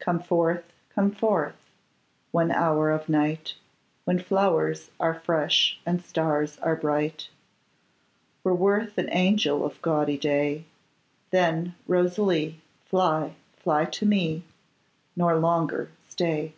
Come forth, come forth, one hour of night, When flowers are fresh and stars are bright, Were worth an age of gaudy day; Then, Rosalie, fly, fly to me, nor longer stay!